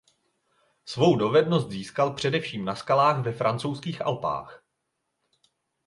Svou dovednost získal především na skalách ve Francouzských Alpách.